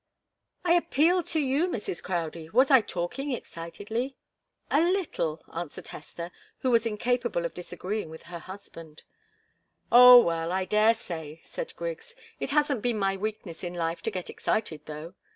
"I appeal to you, Mrs. Crowdie was I talking excitedly?" "A little," answered Hester, who was incapable of disagreeing with her husband. "Oh well I daresay," said Griggs. "It hasn't been my weakness in life to get excited, though."